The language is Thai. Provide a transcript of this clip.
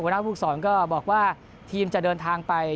หน้าผู้สอนก็บอกว่าทีมจะเดินทางไป